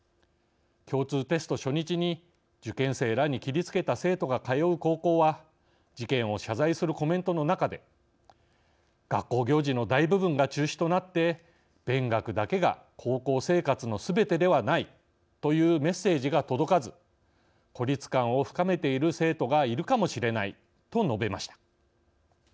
共通テスト初日に受験生らに切りつけた生徒が通う高校は事件を謝罪するコメントの中で「学校行事の大部分が中止となって勉学だけが高校生活のすべてではないというメッセージが届かず孤立感を深めている生徒がいるかもしれない」と述べました。